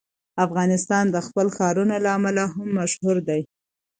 افغانستان د خپلو ښارونو له امله هم مشهور دی.